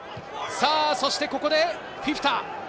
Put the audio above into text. そしてここでフィフィタ。